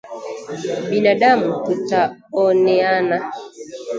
Binadamu tunaoneana